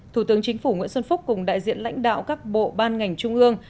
thủ tướng chính phủ nguyễn xuân phúc cùng đại diện lãnh đạo các bộ ban ngành trung ương